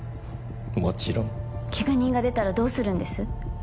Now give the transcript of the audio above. もちろんケガ人が出たらどうするんです？